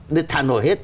để thả nổi hết